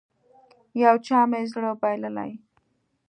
يو چا مې زړه بايللی.